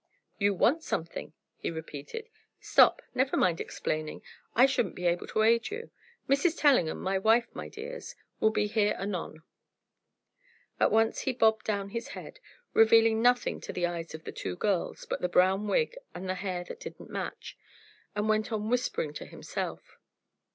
"You want something," he repeated. "Stop! never mind explaining. I shouldn't be able to aid you. Mrs. Tellingham my wife, my dears will be here anon." He at once bobbed down his head, revealing nothing to the eyes of the two girls but the brown wig and the hair that didn't match, and went on whispering to himself.